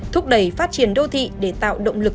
thúc đẩy phát triển đô thị để tạo động lực